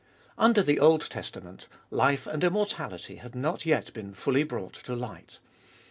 Under the Old Testament, life and immortality had not yet been fully brought to light.